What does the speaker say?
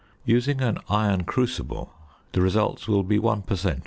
Using an iron crucible, the results will be 1 per cent.